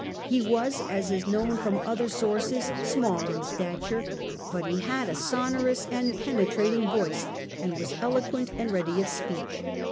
He was, as is known from other sources, small in stature, but he had a sonorous and penetrating voice, and was eloquent, and ready of speech.